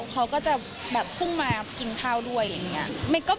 เขาก็จะพุ่งมากินเท้าด้วยอย่างนี้